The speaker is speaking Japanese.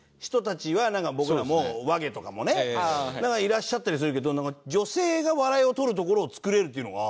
ＷＡＧＥとかもねいらっしゃったりするけど女性が笑いをとるところを作れるっていうのが。